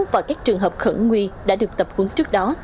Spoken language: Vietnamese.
và các trường hợp khẩn nguy đã được tập huấn trước đó